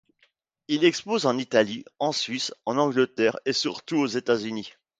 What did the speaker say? Il expose en Italie, en Suisse, en Angleterre et surtout aux États-Unis.